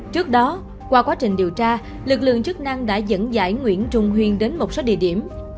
trước đó qua quá trình điều tra lực lượng chức năng đã dẫn dãi nguyễn trung huyên đến một số địa điểm